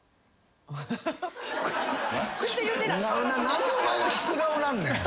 何でお前がキス顔なんねん。